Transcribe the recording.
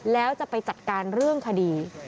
แล้วจะไปจัดการเรื่องคดี